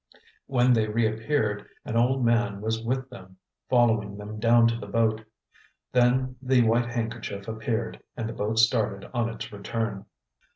When they reappeared, an old man was with them, following them down to the boat. Then the white handkerchief appeared, and the boat started on its return.